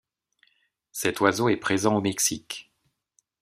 Cet oiseau est présent au Mexique.